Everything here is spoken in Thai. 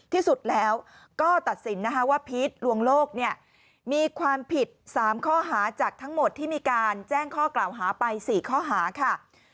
ที่สุดแล้วก็ตัดสินนะคะว่าพีชลวงโลกเนี่ยมีความผิด๓ข้อหาจากทั้งหมดที่มีการแจ้งข้อกล่าวหาไป๔ข้อหาค่ะ